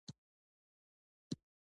دوی شتمن او په ښه توګه منظم شوي دي.